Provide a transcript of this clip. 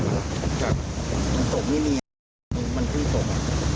นี่มันเพิ่งตก